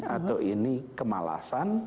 atau ini kemalasan